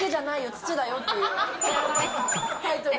土だよっていうタイトル。